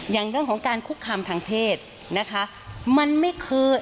อย่างเรื่องของการคุกคามทางเพศนะคะมันไม่เคย